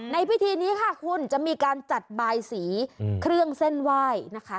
ในพิธีนี้ค่ะคุณจะมีการจัดบายสีเครื่องเส้นไหว้นะคะ